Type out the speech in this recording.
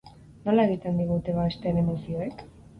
Nola eragiten digute besteen emozioek?